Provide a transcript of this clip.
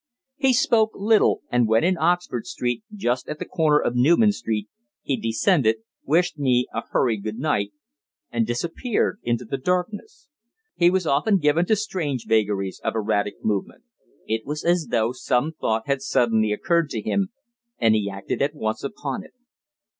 He spoke little, and when in Oxford Street, just at the corner of Newman Street, he descended, wished me a hurried good night, and disappeared into the darkness. He was often given to strange vagaries of erratic movement. It was as though some thought had suddenly occurred to him, and he acted at once upon it.